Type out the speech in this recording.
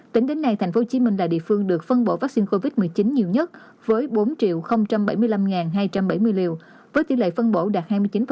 tính đến nay thành phố hồ chí minh là địa phương được phân bổ vaccine covid một mươi chín nhiều nhất với bốn bảy mươi năm hai trăm bảy mươi liều với tỷ lệ phân bổ đạt hai mươi chín